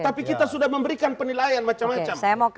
tapi kita sudah memberikan penilaian macam macam